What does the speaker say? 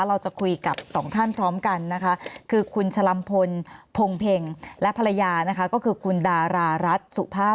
เราจะคุยกับสองท่านพร้อมกันนะคะคือคุณชะลำพลพงเพ็งและภรรยานะคะก็คือคุณดารารัฐสุภาพ